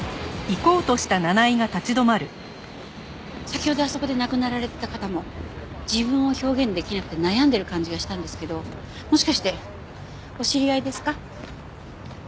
先ほどあそこで亡くなられてた方も自分を表現できなくて悩んでる感じがしたんですけどもしかしてお知り合いですか？